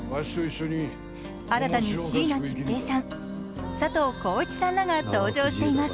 新たに椎名桔平さん、佐藤浩市さんらが登場しています。